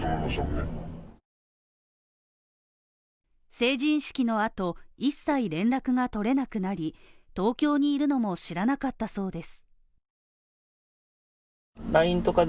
成人式のあと、一切連絡がとれなくなり東京にいるのも知らなかったそうです。